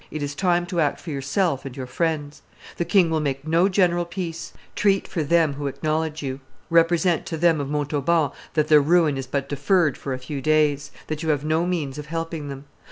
It is time to act for yourself and your friends. The king will make no general peace; treat for them who acknowledge you. Represent to them of Montauban that their ruin is but deferred for a few days; that you have no means of helping them.